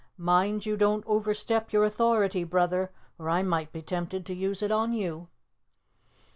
"Mind you don't overstep your authority, brother, or I might be tempted to use it on you."